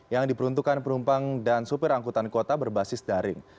yang diperuntukkan perumpang dan supir angkutan kota berbasis daring